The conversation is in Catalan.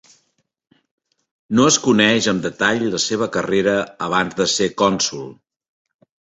No es coneix amb detall la seva carrera abans de ser cònsol.